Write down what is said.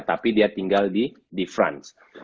tapi dia tinggal di franz